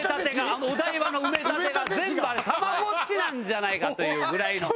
あのお台場の埋め立てが全部あれたまごっちなんじゃないかというぐらいの。